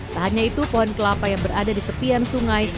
tak hanya itu pohon kelapa yang berada di tepian sungai